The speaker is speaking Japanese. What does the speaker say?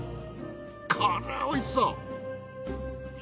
こりゃおいしそう！